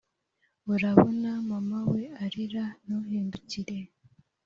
urabona mama we arira ntuhindukire